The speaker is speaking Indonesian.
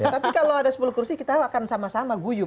tapi kalau ada sepuluh kursi kita akan sama sama guyuk